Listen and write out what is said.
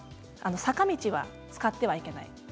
坂道は使っていけない。